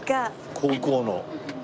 高校の。